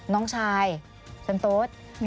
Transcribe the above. น้องชายฉันโต๊ด